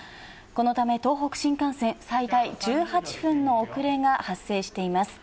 このため東北新幹線、最大１８分の遅れが発生しています。